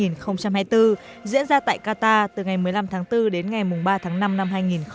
diễn ra tại qatar từ ngày một mươi năm tháng bốn đến ngày ba tháng năm năm hai nghìn hai mươi bốn